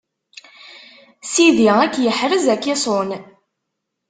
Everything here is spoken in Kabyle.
Sidi ad k-iḥrez ad k-iṣun.